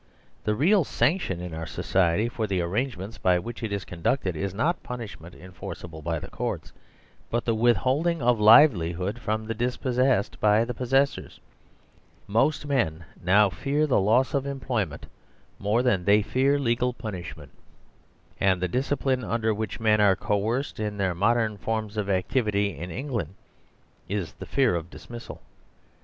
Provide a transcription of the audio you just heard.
The real sanction in our society for the arrangements by which it is conducted is not punish ment enforceable by the Courts, but the withholding of livelihood from the dispossessed by the possessors. Most men now fear the loss of employment more than they fear legal punishment, and the discipline under which men are coerced in their modern forms of ac tivity in England is the fear of dismissal.